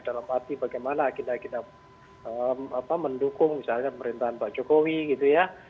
dalam arti bagaimana kita kita mendukung misalnya pemerintahan pak jokowi gitu ya